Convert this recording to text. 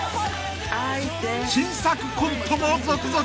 ［新作コントも続々］